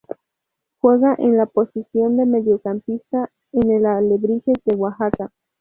Juega en la posición de mediocampista en el Alebrijes de Oaxaca.